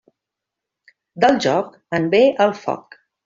Del joc, en ve el foc.